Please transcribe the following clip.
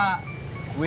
gue gak ketawa